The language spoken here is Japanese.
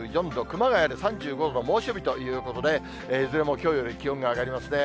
熊谷で３５度の猛暑日ということで、いずれもきょうより気温が上がりますね。